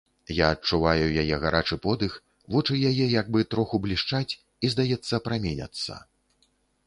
Я адчуваю яе гарачы подых, вочы яе як бы троху блішчаць і, здаецца, праменяцца.